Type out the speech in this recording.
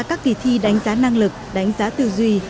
các kỳ thi đánh giá năng lực đánh giá tư duy